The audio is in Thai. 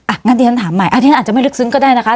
งั้นที่ฉันถามใหม่อันที่ฉันอาจจะไม่ลึกซึ้งก็ได้นะคะ